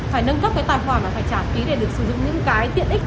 phải nâng cấp cái tài khoản là phải trả phí để được sử dụng những cái tiện ích